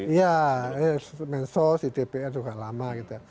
iya mensos di dpr juga lama gitu